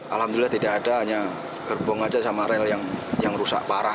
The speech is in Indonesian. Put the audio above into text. alhamdulillah tidak ada hanya gerbong saja sama rel yang rusak parah